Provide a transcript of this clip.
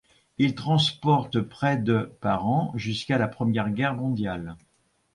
Il transporte près de par an jusqu'à la Première Guerre mondiale.